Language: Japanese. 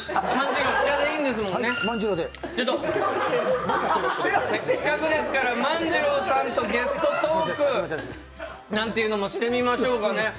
せっかくですから万次郎さんとゲストトークなんていうのもしてみましょうかね。